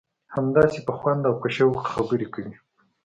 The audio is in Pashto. همداسې په خوند او په شوق خبرې کوي.